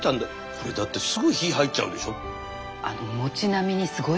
これだってすぐ火入っちゃうでしょ？